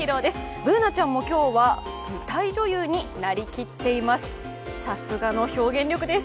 Ｂｏｏｎａちゃんも今日は舞台女優にで成りきっています。